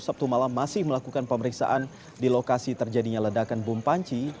sabtu malam masih melakukan pemeriksaan di lokasi terjadinya ledakan bom panci